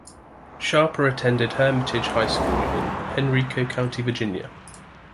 Sharper attended Hermitage High School in Henrico County, Virginia.